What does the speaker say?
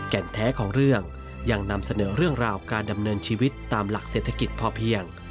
แก่นแท้ของเรื่องยังนำเสนอเรื่องราวการดำเนินชีวิตตามหลักเศรษฐกิจพอเพียง